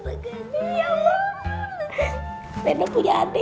lega memang punya andi